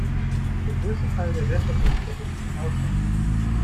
Der größte Teil der Wertschöpfungskette liegt im Ausland.